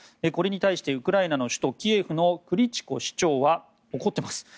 これに対してウクライナの首都キエフのクリチコ市長は怒ってます。